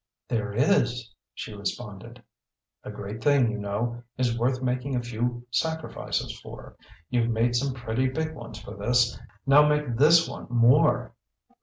"There is!" she responded. "A great thing, you know, is worth making a few sacrifices for. You've made some pretty big ones for this, now make this one more.